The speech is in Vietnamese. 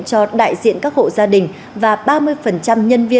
cho đại diện các hộ gia đình